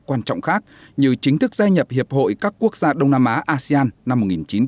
quan trọng khác như chính thức gia nhập hiệp hội các quốc gia đông nam á asean năm một nghìn chín trăm tám mươi